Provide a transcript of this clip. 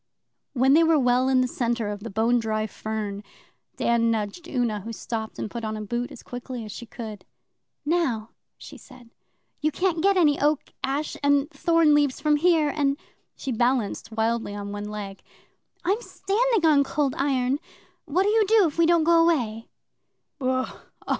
When they were well in the centre of the bone dry fern, Dan nudged Una, who stopped and put on a boot as quickly as she could. 'Now,' she said, 'you can't get any Oak, Ash, and Thorn leaves from here, and' she balanced wildly on one leg 'I'm standing on Cold Iron. What'll you do if we don't go away?